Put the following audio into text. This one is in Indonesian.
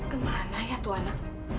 kemana ya tuanak